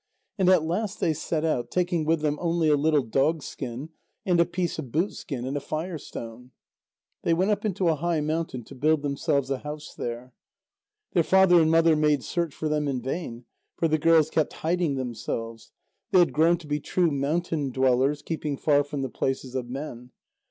And at last they set out, taking with them only a little dogskin, and a piece of boot skin, and a fire stone. They went up into a high mountain to build themselves a house there. Their father and mother made search for them in vain, for the girls kept hiding themselves; they had grown to be true mountain dwellers, keeping far from the places of men.